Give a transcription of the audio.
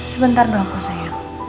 sebentar dong kok sayang